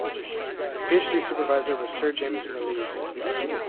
His PhD supervisor was Sir James Mirrlees.